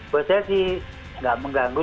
buat saya sih nggak mengganggu